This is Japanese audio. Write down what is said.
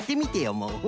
もう。